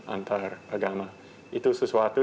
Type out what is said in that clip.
antaragama itu sesuatu